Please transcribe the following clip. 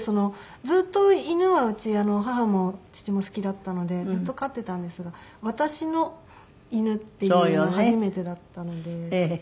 ずっと犬はうち母も父も好きだったのでずっと飼っていたんですが私の犬っていうのは初めてだったので。